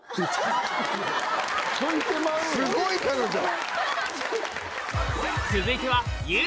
すごい彼女！